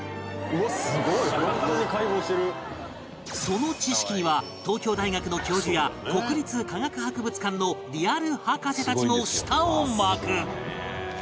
その知識には東京大学の教授や国立科学博物館のリアル博士たちも舌を巻く！